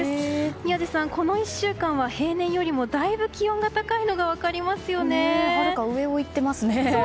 宮司さん、この１週間は平年よりもだいぶ気温が高いのがはるか上をいっていますね。